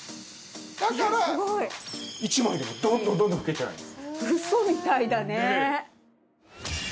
だから１枚でもどんどんどんどん拭けちゃうんです。